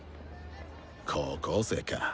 高校生か。